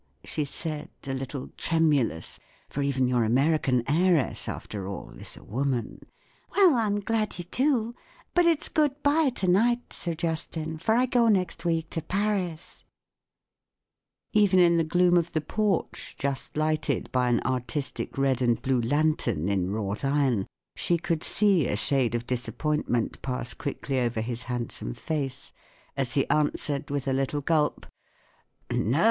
she said, a little tremulous, for even your American heiress, after all* is a woman. "Well, Pm glad you do. But ids good bye to night* Sir Justin, for I go next week to Paris/' Even in the gloom of the porch, just lighted by an artistic red and blue lantern in wrought iron, she could see a shade of dis¬ appointment pass quickly over his handsome face as he answered, with a little gulp, " No!